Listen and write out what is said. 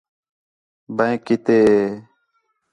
بینک کِتے ہے؟